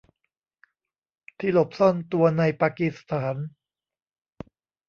ที่หลบซ่อนตัวในปากีสถาน